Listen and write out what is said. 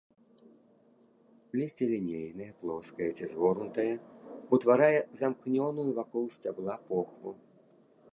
Лісце лінейнае, плоскае ці згорнутае, утварае замкнёную вакол сцябла похву.